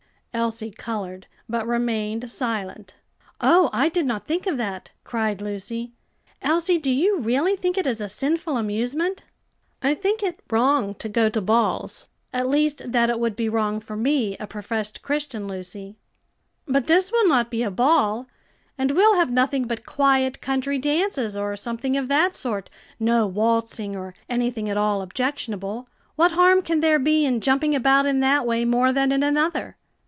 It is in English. Elsie colored, but remained silent. "Oh! I did not think of that!" cried Lucy. "Elsie, do you really think it is a sinful amusement?" "I think it wrong to go to balls; at least that it would be wrong for me, a professed Christian, Lucy." "But this will not be a ball, and we'll have nothing but quiet country dances, or something of that sort, no waltzing or anything at all objectionable. What harm can there be in jumping about in that way more than in another?"